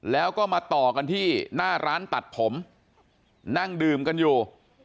แล้วก็มาต่อกันที่หน้าร้านตัดผมนั่งดื่มกันอยู่